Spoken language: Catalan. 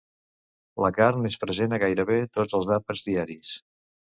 La carn és present a gairebé tots els àpats diaris.